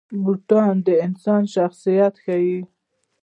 بوټونه د انسان شخصیت ښيي.